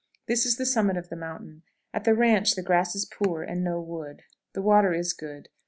This is the summit of the mountain. At the Ranch the grass is poor, and no wood. The water is good.